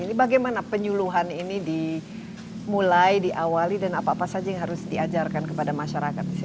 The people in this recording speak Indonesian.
ini bagaimana penyuluhan ini dimulai diawali dan apa apa saja yang harus diajarkan kepada masyarakat di sini